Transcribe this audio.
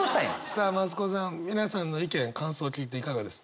さあ増子さん皆さんの意見感想聞いていかがですか？